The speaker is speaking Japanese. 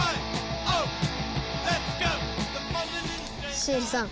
シエリさん